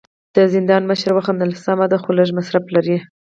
د زندان مشر وخندل: سمه ده، خو لږ مصرف لري.